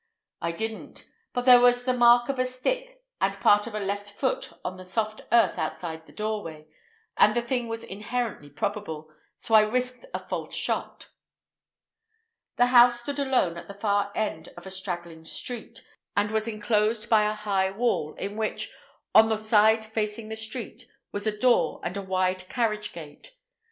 "I didn't; but there was the mark of a stick and part of a left foot on the soft earth inside the doorway, and the thing was inherently probable, so I risked a false shot." The house stood alone at the far end of a straggling street, and was enclosed by a high wall, in which, on the side facing the street, was a door and a wide carriage gate.